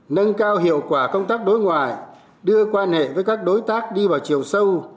nâng cao hiệu quả công tác đối ngoại đưa quan hệ với các đối tác đi vào chiều sâu